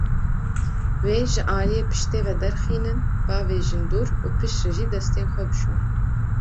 Wê ji aliyê piştê ve derxînin, bavêjin dûr, û piştre jî destên xwe bişon.